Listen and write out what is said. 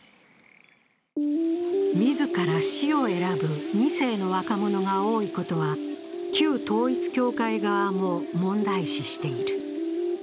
自ら死を選ぶ２世の若者が多いことは旧統一教会側も問題視している。